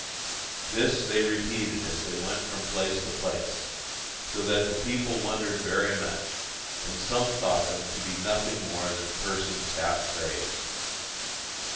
This they repeated as they went from place to place, so that the people wondered very much; and some thought them to be nothing more than persons half crazed.